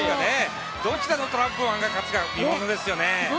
どちらのトランプマンが勝つか、見ものですよね。